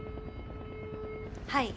はい。